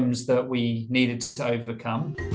misalnya terhadap pekerja